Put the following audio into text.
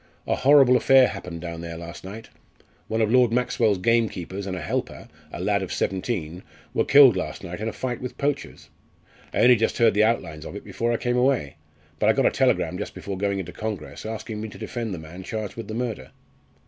A horrible affair happened down there last night. One of Lord Maxwell's gamekeepers and a 'helper,' a lad of seventeen, were killed last night in a fight with poachers. I only just heard the outlines of it before I came away, but I got a telegram just before going into congress, asking me to defend the man charged with the murder."